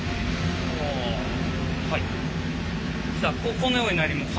このようになります。